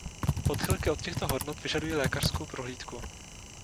Odchylky od těchto hodnot vyžadují lékařskou prohlídku.